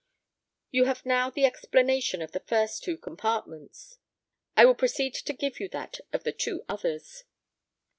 You have now the explanation of the first two compartments; I will proceed to give you that of the two others.